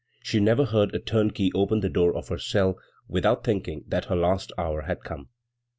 She never heard a turnkey open the door of her cell without thinking that her last hour had come.